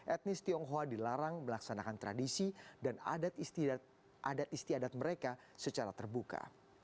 etnis tionghoa dilarang melaksanakan tradisi dan adat istiadat mereka secara terbuka